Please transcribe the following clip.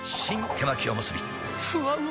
手巻おむすびふわうま